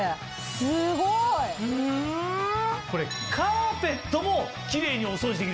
すごい！これカーペットもキレイにお掃除できるんです。